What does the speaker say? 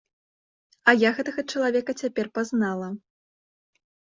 А я гэтага чалавека цяпер пазнала.